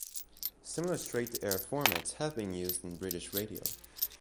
Similar straight-to-air formats have been used in British radio.